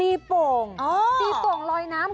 ตีเปา่งตีเปา่งลอยน้ำ